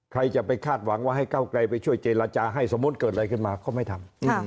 ใครจะไปคาดหวังว่าให้เก้าไกลไปช่วยเจรจาให้สมมุติเกิดอะไรขึ้นมาก็ไม่ทำ